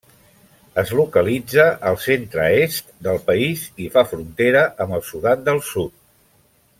Es localitza al centre-est del país i fa frontera amb el Sudan del Sud.